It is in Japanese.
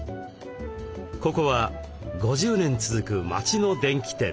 ここは５０年続く町の電気店。